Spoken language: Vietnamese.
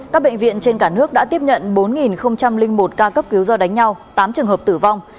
các bệnh viện trên cả nước đã tiếp nhận bốn một ca cấp cứu do đánh nhau tám trường hợp tử vong